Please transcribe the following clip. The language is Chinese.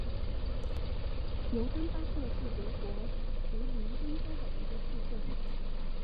尤登巴赫是德国图林根州的一个市镇。